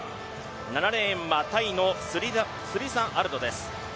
７レーンはタイのスリサアルドです。